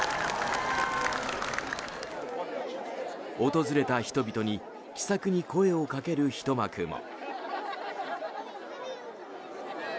訪れた人々に気さくに声をかけるひと幕も。